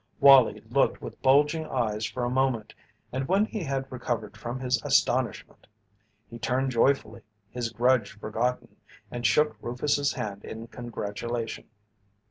Wallie looked with bulging eyes for a moment and when he had recovered from his astonishment, he turned joyfully, his grudge forgotten, and shook Rufus's hand in congratulation.